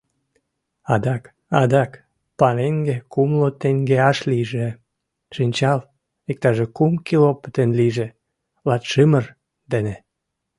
— Адак... адак, пареҥге — кумло теҥгеаш лийже... шинчал, иктаже кум кило пытен лийже — латшымыр дене...